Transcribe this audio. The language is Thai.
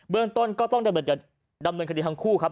เรื่องต้นก็ต้องดำเนินคดีทั้งคู่ครับ